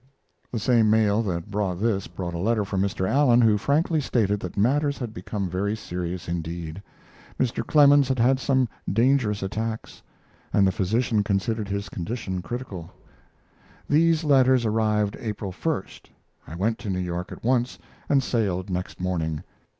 The same mail that brought this brought a letter from Mr. Allen, who frankly stated that matters had become very serious indeed. Mr. Clemens had had some dangerous attacks, and the physicians considered his condition critical. These letters arrived April 1st. I went to New York at once and sailed next morning.